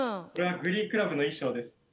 これはグリー・クラブの衣装です。